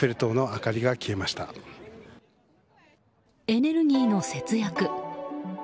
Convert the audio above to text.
エネルギーの節約。